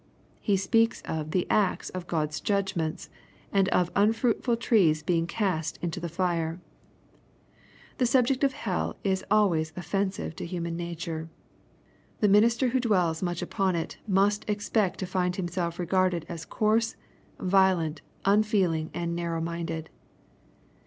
He speaks of " the axe" of God's judgments, and of unfruitful trees being cast into " the fire/' The subject of hell is always oflfensive to human nature. The minister who dwells much upon it, must expect to find himself regarded as coarse, violent, unfeeling, and narrow minded.